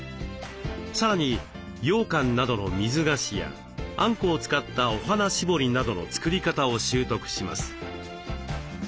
さらにようかんなどの水菓子やあんこを使ったお花絞りなどの作り方を習得します。